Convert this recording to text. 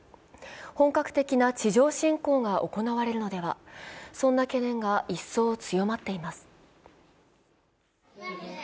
本格的な地上侵攻が行われるのでは、そんな懸念が一層強まっています。